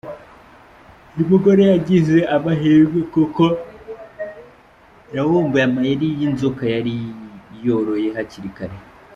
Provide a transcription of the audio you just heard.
Uyu mugore yagize amahirwe kuko yavumbuye amayeri y’ iyi nzoka yari yoroye hakiri kare.